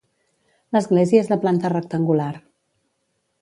L'església és de planta rectangular.